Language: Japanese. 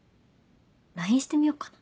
ＬＩＮＥしてみようかな。